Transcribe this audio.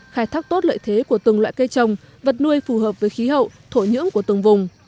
khai thác tốt lợi thế của từng loại cây trồng vật nuôi phù hợp với khí hậu thổ nhưỡng của từng vùng